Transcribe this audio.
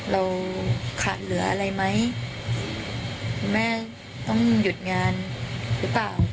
เราขาดเหลืออะไรไหมคุณแม่ต้องหยุดงานหรือเปล่า